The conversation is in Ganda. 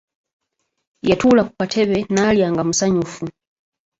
Yatuula ku katebe naalya nga musanyufu.